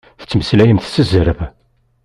Tettmeslayemt s zzerb.